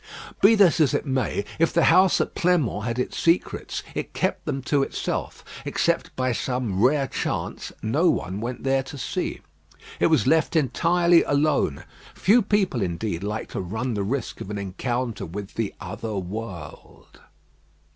Be this as it may, if the house at Pleinmont had its secrets, it kept them to itself; except by some rare chance, no one went there to see. It was left entirely alone. Few people, indeed, like to run the risk of an encounter with the other world.